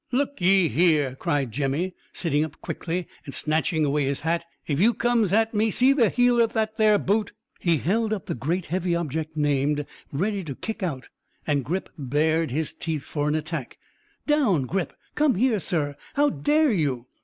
"Look ye here," cried Jemmy, sitting up quickly and snatching away his hat, "if you comes at me see the heel o' that there boot?" He held up the great heavy object named, ready to kick out, and Grip bared his teeth for an attack. "Down, Grip! Come here, sir. How dare you?"